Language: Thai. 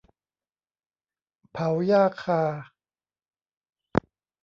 เผาหญ้าคา